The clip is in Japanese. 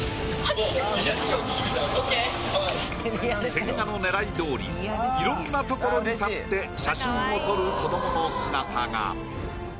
千賀の狙いどおりいろんな所に立って写真を撮る子供の姿が。